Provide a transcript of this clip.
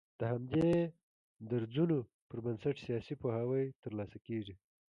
د همدې درځونو پر بنسټ سياسي پوهاوی تر لاسه کېږي